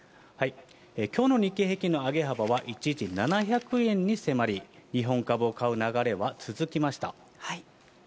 きょうの日経平均の上げ幅は、一時７００円に迫り、日本株を買う流れは続きました。